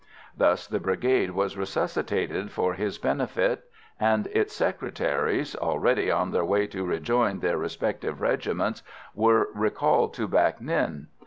Thus the brigade was resuscitated for his benefit, and its secretaries, already on their way to rejoin their respective regiments, were recalled to Bac Ninh.